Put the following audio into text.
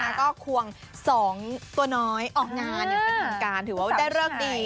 แล้วก็ควงสองตัวน้อยออกงานอย่างเป็นทางการถือว่าได้เลิกดี